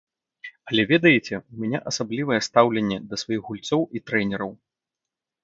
Але, ведаеце, у мяне асаблівае стаўленне да сваіх гульцоў і трэнераў.